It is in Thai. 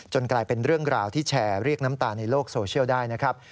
กลายเป็นเรื่องราวที่แชร์เรียกน้ำตาในโลกโซเชียลได้นะครับ